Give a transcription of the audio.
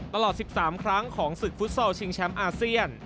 ตลอด๑๓ครั้งของศึกฟุตซอลชิงแชมป์อาเซียน